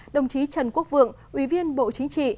đồng chí trần quốc vượng ủy viên bộ chính trị